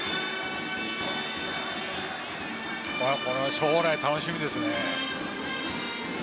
将来楽しみですね。